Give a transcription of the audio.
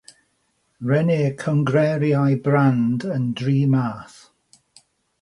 Rhennir cynghreiriau brand yn dri math.